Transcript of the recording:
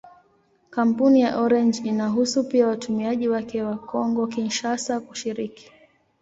Kampuni ya Orange inaruhusu pia watumiaji wake wa Kongo-Kinshasa kushiriki.